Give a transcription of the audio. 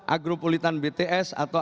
agropulitan bts atau